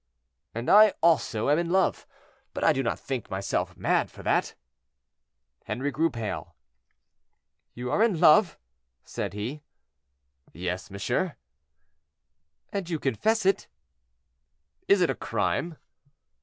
"And I also am in love, but I do not think myself mad for that." Henri grew pale. "You are in love!" said he. "Yes, monsieur." "And you confess it?" "Is it a crime?"